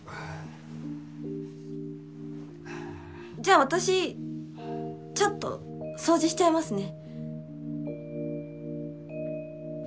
じゃあ私チャッと掃除しちゃいますね。